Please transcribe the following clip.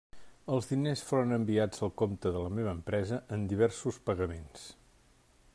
Els diners foren enviats al compte de la meva empresa en diversos pagaments.